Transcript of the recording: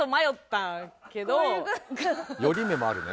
寄り目もあるね。